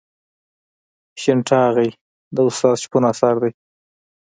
شین ټاغی د استاد شپون اثر دی.